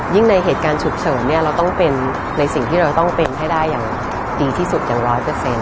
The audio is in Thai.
ในเหตุการณ์ฉุกเฉินเนี่ยเราต้องเป็นในสิ่งที่เราต้องเป็นให้ได้อย่างดีที่สุดอย่างร้อยเปอร์เซ็นต